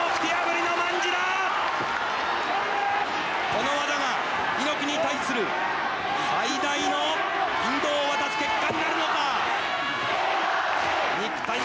この技が猪木に対する最大の引導を渡す結果になるのか。